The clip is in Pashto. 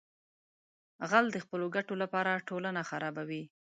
غل د خپلو ګټو لپاره ټولنه خرابوي